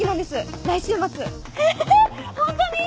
ホントに？